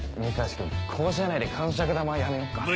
君校舎内でかんしゃく玉はやめようか。